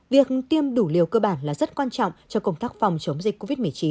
việc tiêm đủ liều cơ bản là rất quan trọng cho công tác phòng chống dịch covid một mươi chín